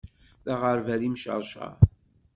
D aɣerbal imceṛceṛ.